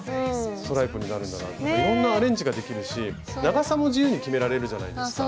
ストライプになるんだなとかいろんなアレンジができるし長さも自由に決められるじゃないですか。